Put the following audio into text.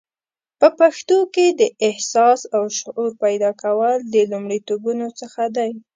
په پښتنو کې د احساس او شعور پیدا کول د لومړیتوبونو څخه دی